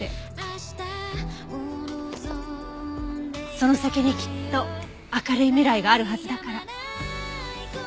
「その先にきっと明るい未来があるはずだから」。